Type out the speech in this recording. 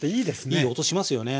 いい音しますよね。